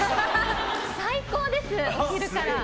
最高です、お昼から。